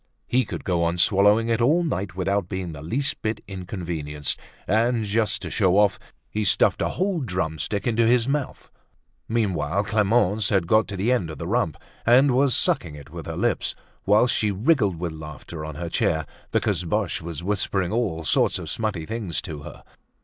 He could go on swallowing it all night without being the least bit inconvenienced; and, just to show off, he stuffed a whole drum stick into his mouth. Meanwhile, Clemence had got to the end of the rump, and was sucking it with her lips, whilst she wriggled with laughter on her chair because Boche was whispering all sorts of smutty things to her.